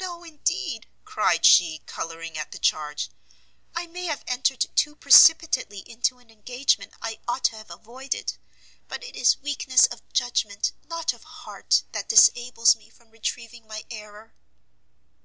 "No, indeed!" cried she, colouring at the charge, "I may have entered too precipitately into an engagement I ought to have avoided, but it is weakness of judgment, not of heart, that disables me from retrieving my error."